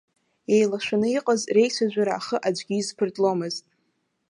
Еилашәаны иҟаз реицәажәара ахы аӡәгьы изԥыртломызт.